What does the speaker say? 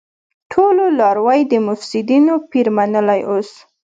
ټولو لاروی د مفسيدينو پير منلی اوس